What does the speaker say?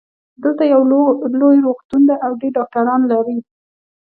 دلته یو لوی روغتون ده او ډېر ډاکټران لری